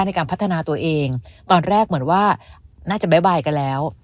ในการพัฒนาตัวเองตอนแรกเหมือนว่าน่าจะบ๊ายกันแล้ว